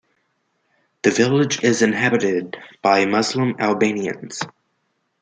The village is inhabited by Muslim Albanians.